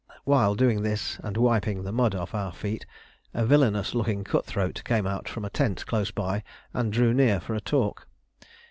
While doing this and wiping the mud off our feet, a villainous looking cutthroat came out from a tent close by and drew near for a talk.